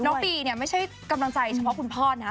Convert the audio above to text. จริงน้องปีเนี่ยไม่ใช่กำลังใจเฉพาะคุณพ่อนะฮะ